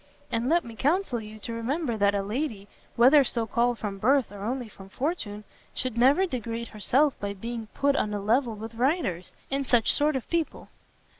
And let me counsel you to remember that a lady, whether so called from birth or only from fortune, should never degrade herself by being put on a level with writers, and such sort of people."